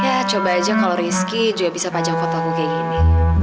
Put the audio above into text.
ya coba aja kalau rizky juga bisa pajang foto aku kayak gini